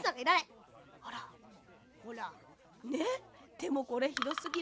でもこれひどすぎる。